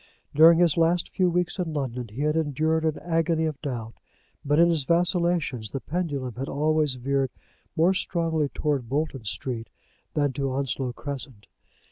During his last few weeks in London he had endured an agony of doubt; but in his vacillations the pendulum had always veered more strongly towards Bolton Street than to Onslow Crescent.